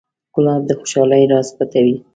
ګلاب د خوشحالۍ راز پټوي.